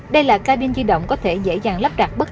đây là ca binh di động có thể dễ dàng lắp đặt